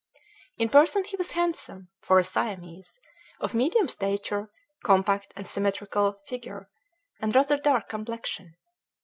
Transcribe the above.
In person he was handsome, for a Siamese; of medium stature, compact and symmetrical figure, and rather dark complexion.